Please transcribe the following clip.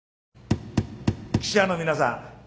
記者の皆さん